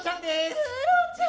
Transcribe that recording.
クロちゃん